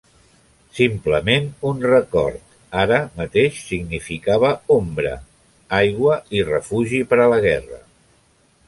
simplement un record, ara mateix significava ombra, aigua i refugi per a la guerra.